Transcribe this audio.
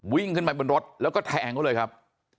วิ่งขึ้นไปบนรถแล้วก็แทงเขาเลยครับ